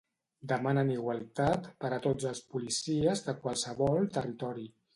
Demanen igualtat per a tots els policies de qualsevol territori.